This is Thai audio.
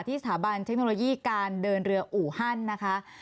สถาบันเทคโนโลยีการเดินเรืออู่ฮั่นนะคะ